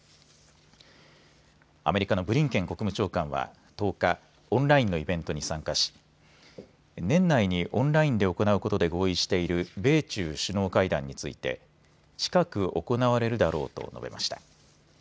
アメリカのブリンケン国務長官は１０日、オンラインのイベントに参加し年内にオンラインで行うことで合意している米中首脳会談について近く行われるだろうと述べました。